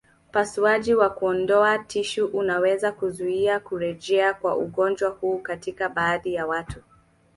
Upasuaji wa kuondoa tishu unaweza kuzuia kurejea kwa ugonjwa huu katika baadhi ya watu.